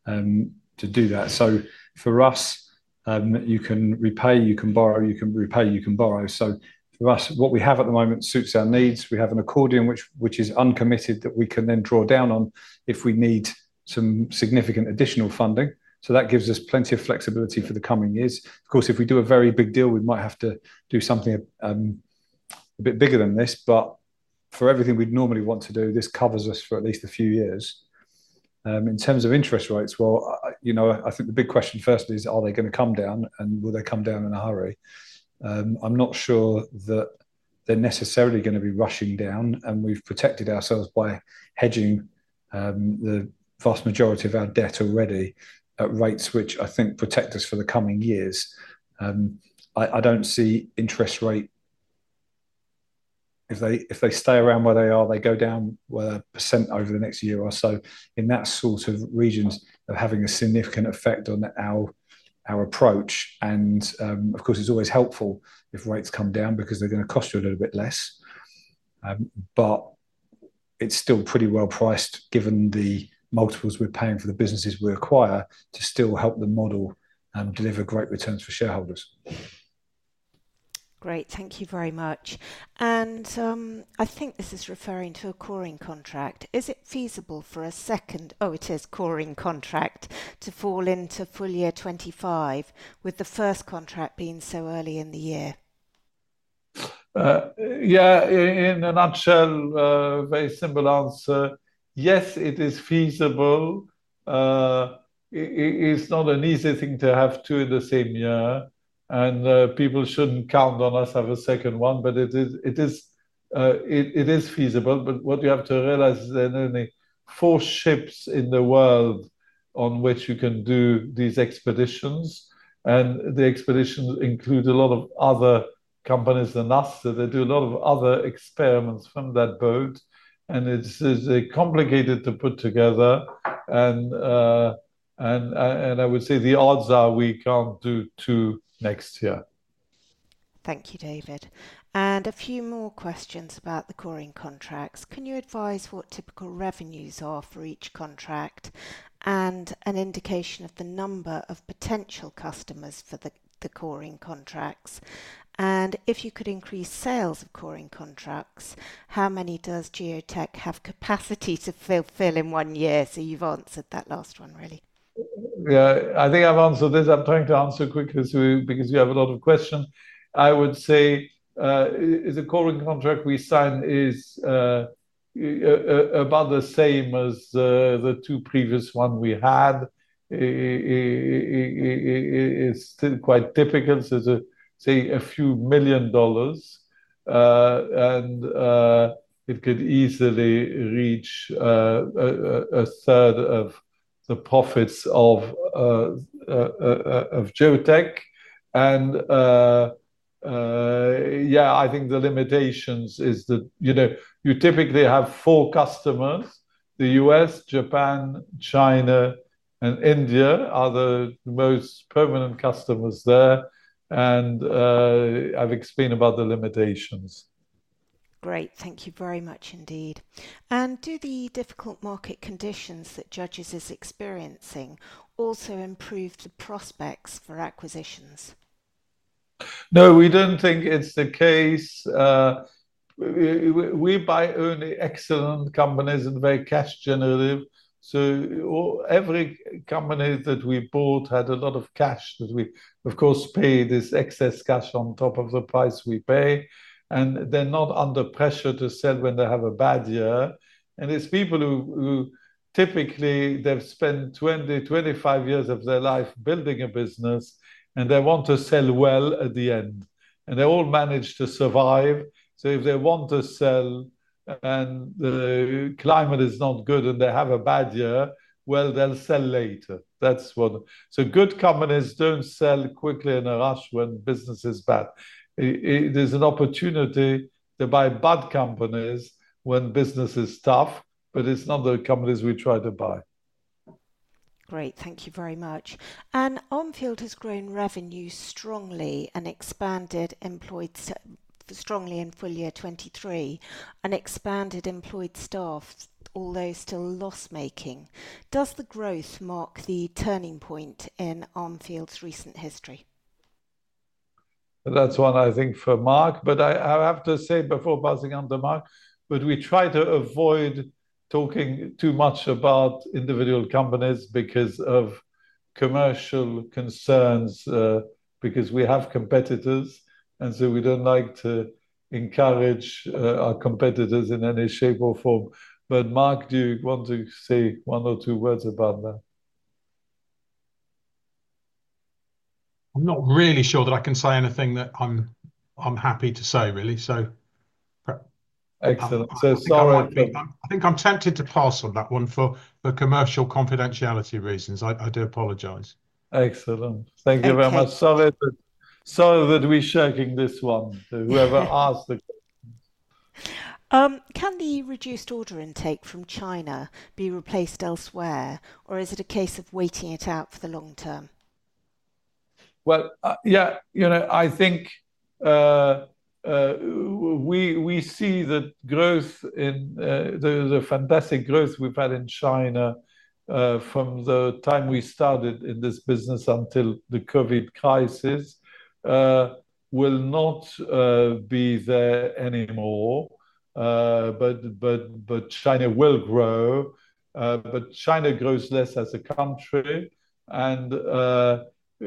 Speaker 2: to do that. So for us, you can repay, you can borrow, you can repay, you can borrow. So for us, what we have at the moment suits our needs. We have an accordion, which is uncommitted, that we can then draw down on if we need some significant additional funding. So that gives us plenty of flexibility for the coming years. Of course, if we do a very big deal, we might have to do something a bit bigger than this, but for everything we'd normally want to do, this covers us for at least a few years. In terms of interest rates, well, I, you know, I think the big question first is, are they gonna come down, and will they come down in a hurry? I'm not sure that they're necessarily gonna be rushing down, and we've protected ourselves by hedging the vast majority of our debt already at rates which I think protect us for the coming years. I, I don't see interest rate... If they, if they stay around where they are, they go down, well, 1% over the next year or so, in that sort of regions of having a significant effect on our, our approach. And, of course, it's always helpful if rates come down because they're gonna cost you a little bit less. But it's still pretty well-priced, given the multiples we're paying for the businesses we acquire, to still help the model deliver great returns for shareholders.
Speaker 1: Great. Thank you very much, and I think this is referring to a coring contract. Is it feasible for a second, oh, it is coring contract, to fall into full year 2025, with the first contract being so early in the year?
Speaker 2: Yeah, in a nutshell, very simple answer, yes, it is feasible. It's not an easy thing to have two in the same year, and people shouldn't count on us have a second one, but it is feasible. But what you have to realize is there are only four ships in the world on which you can do these expeditions, and the expeditions include a lot of other companies than us. So they do a lot of other experiments from that boat, and it's complicated to put together, and I would say the odds are we can't do two next year.
Speaker 1: Thank you, David. And a few more questions about the coring contracts. Can you advise what typical revenues are for each contract, and an indication of the number of potential customers for the coring contracts? And if you could increase sales of coring contracts, how many does Geotek have capacity to fulfill in one year? So you've answered that last one, really.
Speaker 2: Yeah, I think I've answered this. I'm trying to answer quickly, so, because you have a lot of questions. I would say, the coring contract we signed is, about the same as, the two previous one we had. It's still quite difficult. It's, say, a few million dollars, and, it could easily reach, a third of the profits of, of Geotek. And, yeah, I think the limitations is that, you know, you typically have four customers. The U.S., Japan, China, and India are the most permanent customers there, and, I've explained about the limitations.
Speaker 1: Great. Thank you very much indeed. And do the difficult market conditions that Judges is experiencing also improve the prospects for acquisitions?
Speaker 2: No, we don't think it's the case. We buy only excellent companies and very cash generative. So every company that we bought had a lot of cash, that we, of course, pay this excess cash on top of the price we pay, and they're not under pressure to sell when they have a bad year. And it's people who typically they've spent 20, 25 years of their life building a business, and they want to sell well at the end, and they all manage to survive. So if they want to sell and the climate is not good, and they have a bad year, well, they'll sell later. That's what. So good companies don't sell quickly in a rush when business is bad. There's an opportunity to buy bad companies when business is tough, but it's not the companies we try to buy.
Speaker 1: Great. Thank you very much. Armfield has grown revenue strongly and expanded employment strongly in full year 2023, and expanded employed staff, although still loss-making. Does the growth mark the turning point in Armfield's recent history?
Speaker 2: That's one I think for Mark, but I have to say before passing on to Mark, but we try to avoid talking too much about individual companies because of commercial concerns, because we have competitors, and so we don't like to encourage our competitors in any shape or form. But Mark, do you want to say one or two words about that?
Speaker 5: I'm not really sure that I can say anything that I'm happy to say, really.
Speaker 2: Excellent. So sorry, but-
Speaker 5: I think I'm tempted to pass on that one for commercial confidentiality reasons. I do apologize.
Speaker 2: Excellent.
Speaker 1: Okay.
Speaker 2: Thank you very much. Sorry that we're shirking this one to whoever asked the question.
Speaker 1: Can the reduced order intake from China be replaced elsewhere, or is it a case of waiting it out for the long term?
Speaker 2: Well, yeah, you know, I think we see the growth in the fantastic growth we've had in China from the time we started in this business until the COVID crisis will not be there anymore. But China will grow, but China grows less as a country, and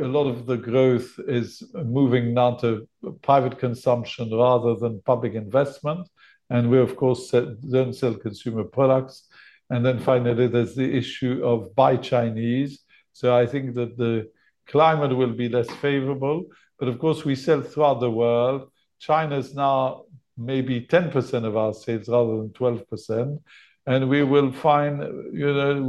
Speaker 2: a lot of the growth is moving now to private consumption rather than public investment, and we, of course, don't sell consumer products. And then finally, there's the issue of buy Chinese. So I think that the climate will be less favorable, but of course, we sell throughout the world. China's now maybe 10% of our sales rather than 12%, and we will find, you know,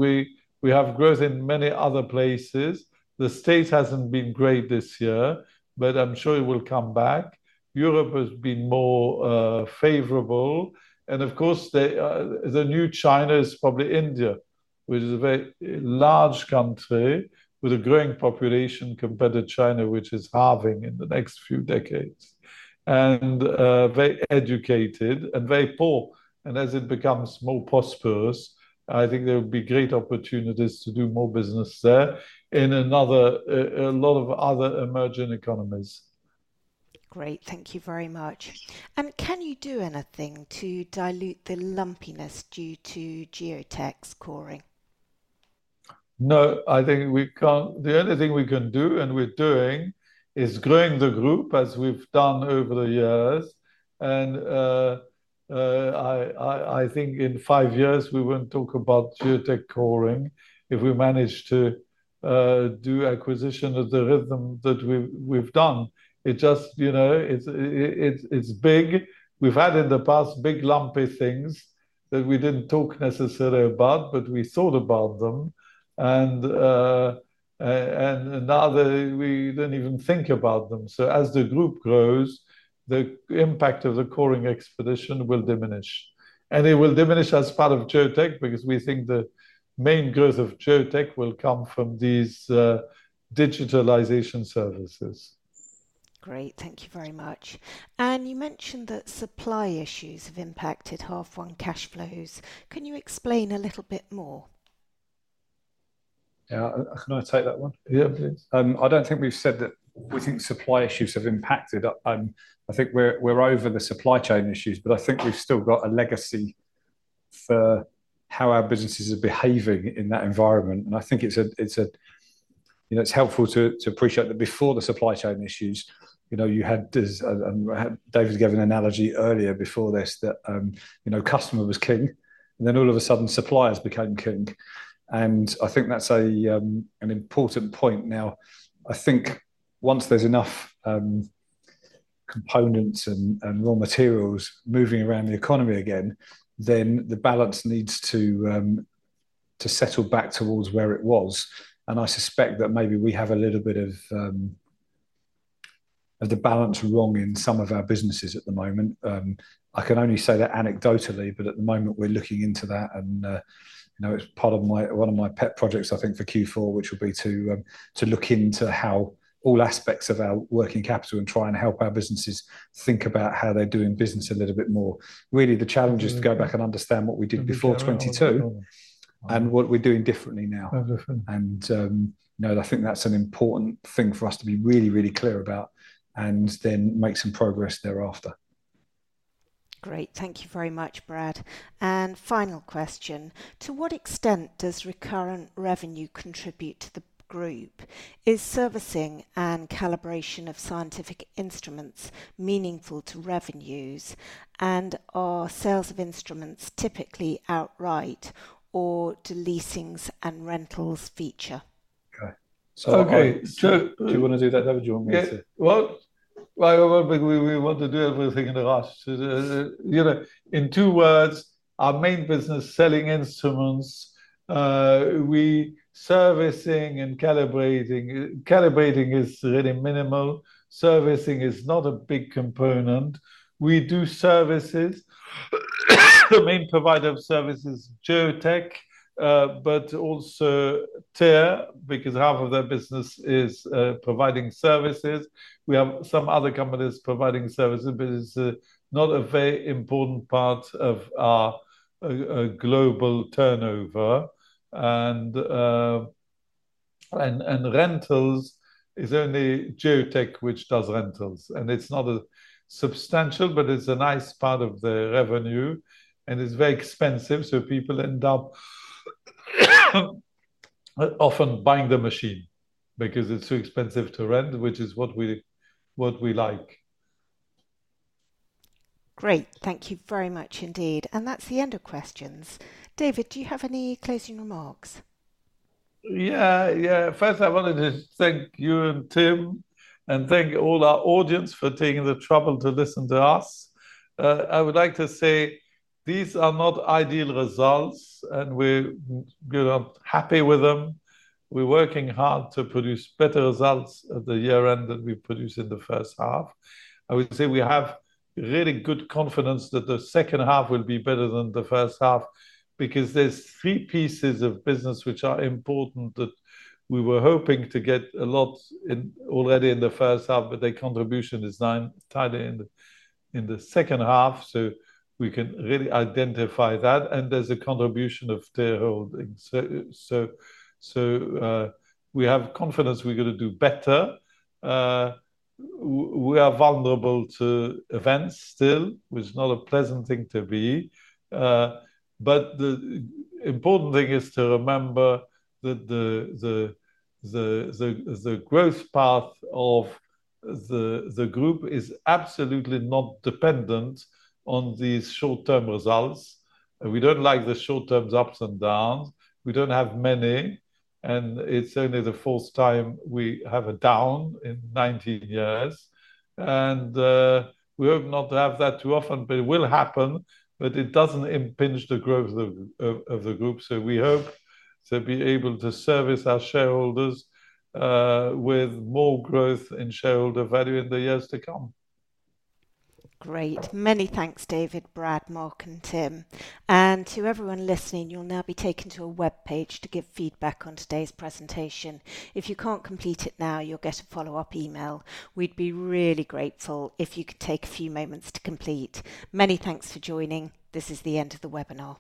Speaker 2: we have growth in many other places. The States hasn't been great this year, but I'm sure it will come back. Europe has been more favorable, and of course, the new China is probably India, which is a very large country with a growing population compared to China, which is halving in the next few decades, and very educated and very poor, and as it becomes more prosperous, I think there will be great opportunities to do more business there in another a lot of other emerging economies.
Speaker 1: Great. Thank you very much. Can you do anything to dilute the lumpiness due to Geotek's coring?
Speaker 2: No, I think we can't. The only thing we can do, and we're doing, is growing the group as we've done over the years. And I think in five years we won't talk about Geotek coring if we manage to do acquisition at the rhythm that we've done. It just, you know, it's big. We've had in the past big, lumpy things that we didn't talk necessarily about, but we thought about them, and now they, we don't even think about them. So as the group grows, the impact of the coring expedition will diminish, and it will diminish as part of Geotek because we think the main growth of Geotek will come from these digitalization services.
Speaker 1: Great. Thank you very much. And you mentioned that supply issues have impacted half one cash flows. Can you explain a little bit more?
Speaker 3: Yeah. Can I take that one?
Speaker 2: Yeah, please.
Speaker 3: I don't think we've said that we think supply issues have impacted. I think we're over the supply chain issues, but I think we've still got a legacy for how our businesses are behaving in that environment. I think it's a you know, it's helpful to appreciate that before the supply chain issues, you know, you had this, and David gave an analogy earlier before this, that you know, customer was king, and then all of a sudden, suppliers became king, and I think that's an important point. Now, I think once there's enough components and raw materials moving around the economy again, then the balance needs to settle back towards where it was. I suspect that maybe we have a little bit of the balance wrong in some of our businesses at the moment. I can only say that anecdotally, but at the moment we're looking into that, and you know, it's part of my, one of my pet projects, I think, for Q4, which will be to look into how all aspects of our working capital and try and help our businesses think about how they're doing business a little bit more. Really, the challenge is to go back and understand what we did before 2022- -and what we're doing differently now.
Speaker 2: Different.
Speaker 3: You know, I think that's an important thing for us to be really, really clear about and then make some progress thereafter.
Speaker 1: Great. Thank you very much, Brad. And final question: To what extent does recurrent revenue contribute to the group? Is servicing and calibration of scientific instruments meaningful to revenues, and are sales of instruments typically outright, or do leasings and rentals feature?
Speaker 2: Okay. So,
Speaker 3: Do you wanna do that, David, or do you want me to?
Speaker 2: Well, we want to do everything in a rush. You know, in two words, our main business, selling instruments. Servicing and calibrating is really minimal. Servicing is not a big component. We do services. The main provider of services, Geotek, but also Teer, because half of their business is providing services. We have some other companies providing services, but it's not a very important part of our global turnover. And rentals is only Geotek which does rentals, and it's not a substantial, but it's a nice part of the revenue, and it's very expensive, so people end up often buying the machine because it's too expensive to rent, which is what we like.
Speaker 1: Great. Thank you very much indeed, and that's the end of questions. David, do you have any closing remarks?
Speaker 2: Yeah. Yeah. First, I wanted to thank you and Tim, and thank all our audience for taking the trouble to listen to us. I would like to say these are not ideal results, and we're, we are happy with them. We're working hard to produce better results at the year-end than we produced in the first half. I would say we have really good confidence that the second half will be better than the first half because there's three pieces of business which are important that we were hoping to get a lot in, already in the first half, but their contribution is now tied in, in the second half, so we can really identify that, and there's a contribution of Teer Holdings. We have confidence we're gonna do better. We are vulnerable to events still, which is not a pleasant thing to be, but the important thing is to remember that the growth path of the group is absolutely not dependent on these short-term results. We don't like the short-term ups and downs. We don't have many, and it's only the fourth time we have a down in ninety years. We hope not to have that too often, but it will happen, but it doesn't impinge the growth of the group. So we hope to be able to service our shareholders with more growth in shareholder value in the years to come.
Speaker 1: Great. Many thanks, David, Brad, Mark, and Tim. And to everyone listening, you'll now be taken to a web page to give feedback on today's presentation. If you can't complete it now, you'll get a follow-up email. We'd be really grateful if you could take a few moments to complete. Many thanks for joining. This is the end of the webinar.